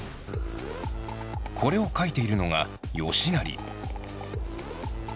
これを描いているのが吉成。